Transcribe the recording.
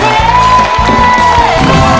สีคะขนาด